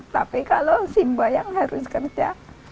tapi kalau simba yang harus kerja